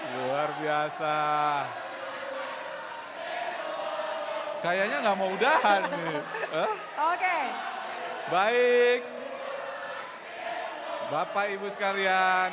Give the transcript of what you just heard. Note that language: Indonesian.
durasi kita berjalan bapak ibu sekalian